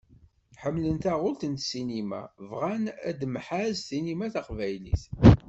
Ḥemmlen taɣult n ssinima, bɣan ad temhaz ssinima taqbaylit.